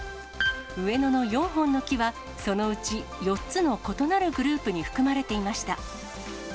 上野の４本の木は、そのうち４つの異なるグループに含まれていました。